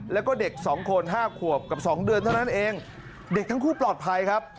แล้วก็เด็กสองคนห้าขวบกับ๒เดือนเท่านั้นเองเด็กทั้งคู่ปลอดภัยครับ